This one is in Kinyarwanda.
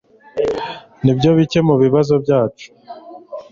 nibyo bike mubibazo byacu